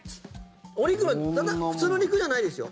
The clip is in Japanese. お肉も普通の肉じゃないですよ。